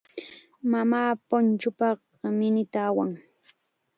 Mamaa punchuupaq minita awan.